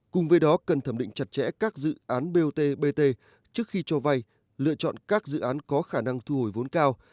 cùng với đó cần thẩm định chặt chẽ các dự án bot bt trước khi cho vay lựa chọn các dự án có khả năng thu hồi vốn cao